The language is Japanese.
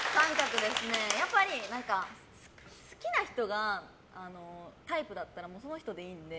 やっぱり好きな人がタイプだったらその人でいいんで。